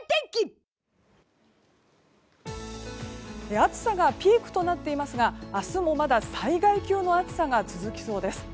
暑さがピークとなっていますが明日もまだ災害級の暑さが続きそうです。